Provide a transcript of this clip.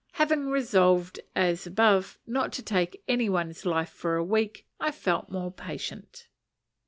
Having resolved as above, not to take any one's life for a week, I felt more patient.